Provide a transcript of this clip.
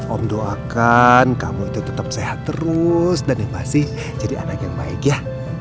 om doakan kamu itu tetap sehat terus dan yang pasti jadi anak yang baik ya